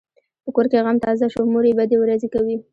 په کور کې غم تازه شو؛ مور یې بدې ورځې کوي.